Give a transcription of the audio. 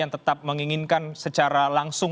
yang tetap menginginkan secara langsung